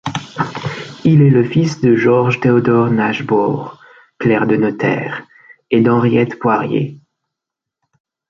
Il est le fils de Georges-Théodore Nachbaur, clerc de notaire, et d'Henriette Poirrier.